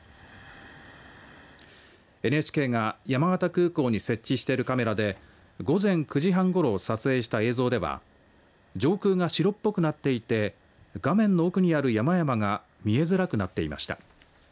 ＮＨＫが、山形空港に設置しているカメラで午前９時半ごろ撮影した映像では上空が白っぽくなっていて画面の奥にある山々が見えづらくなっていました。